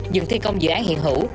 dừng thi công dự án hiện hữu